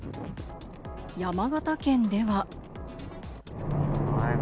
山形県では。